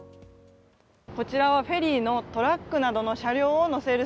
こちらはフェリーのトラックなどの車両を載せる